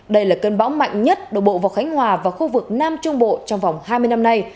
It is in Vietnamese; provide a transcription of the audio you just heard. đây là cơn bão mạnh nhất đổ bộ vào khánh hòa và khu vực nam trung bộ trong vòng hai mươi năm nay